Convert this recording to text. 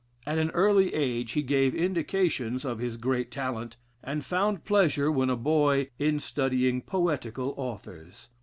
At an early age he gave indications of his great talent, and found pleasure, when a boy, in studying poetical authors.